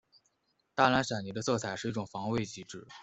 大蓝闪蝶的色彩是一种防卫机制。